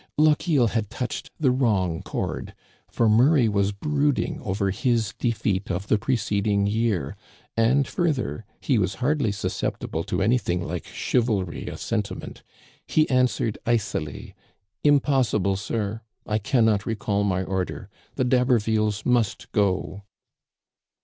Lochiel had touched the wrong cord, for Murray was brooding over his defeat of the preceding year, and, fur ther, he was hardly susceptible to anything like chivalry of sentiment. He answered icily :"* Impossible, sir ! I can not recall my order. The D'Habervilles must go.